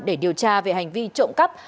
để điều tra về hành vi trộm cắp